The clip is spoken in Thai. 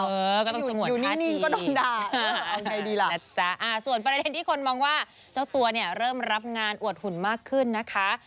เออก็ต้องสงวนค่าทีส่วนประเด็นที่คนมองว่าเจ้าตัวเริ่มรับงานอวดหุ่นมากขึ้นนะคะ